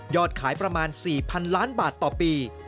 ขายประมาณ๔๐๐๐ล้านบาทต่อปี